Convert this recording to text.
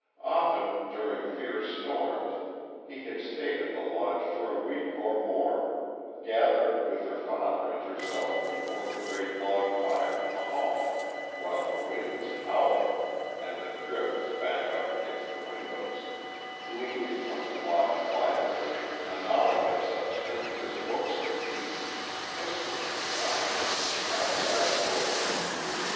Often during fierce storms he had stayed at the Lodge for a week or more gathered with her father and herself before the great log fire in the hall while the winds howled and the drifts banked up against the windows, gleaning from the Lodge library a knowledge of such things as books can teach history, science and the outside world.